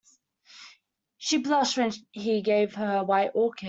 She blushed when he gave her a white orchid.